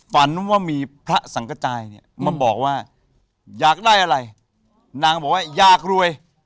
ฝันว่ามีพระสังกระจายเนี่ยมาบอกว่าอยากได้อะไรนางก็บอกว่าอยากรวย